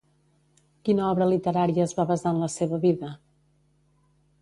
Quina obra literària es va basar en la seva vida?